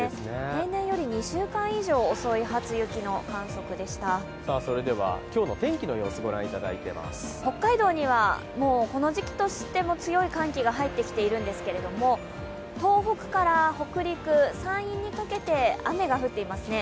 例年より２週間以上遅い初雪でした北海道にはもうこの時期としての強い寒気が入って来ているんですけれども、東北から北陸、山陰にかけて雨が降っていますね。